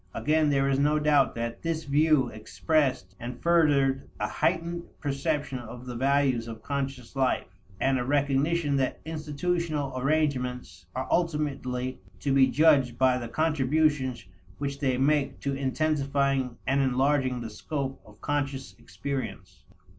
Again there is no doubt that this view expressed and furthered a heightened perception of the values of conscious life, and a recognition that institutional arrangements are ultimately to be judged by the contributions which they make to intensifying and enlarging the scope of conscious experience.